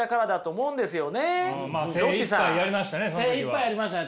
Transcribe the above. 精いっぱいやりましたよね